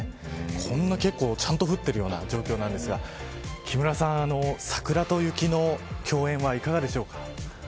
こんな結構ちゃんと降っているような状況なんですが木村さん、桜と雪の共演はいかがでしょうか。